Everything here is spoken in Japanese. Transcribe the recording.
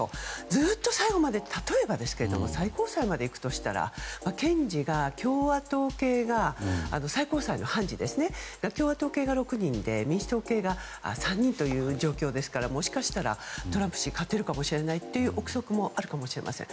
ずっと最後まで例えばですけれども最高裁までいくとしたら検事が、共和党系が最高裁の判事、共和党系が６人で民主党系が３人という状況ですからもしかしたらトランプ氏は勝てるかもしれないという憶測もあるかもしれません。